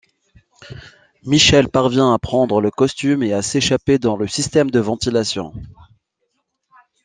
Michelle parvient à prendre le costume et à s'échapper dans le système de ventilation.